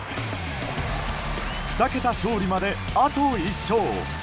２桁勝利まで、あと１勝。